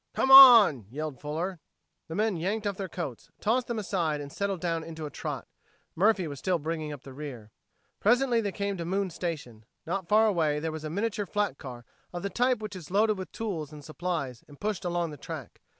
"Come on!" yelled Fuller. The men yanked off their coats, tossed them aside, and settled down into a trot. Murphy was still bringing up the rear. Presently they came to Moon Station. Not far away there was a miniature flat car of the type which is loaded with tools and supplies and pushed along the track.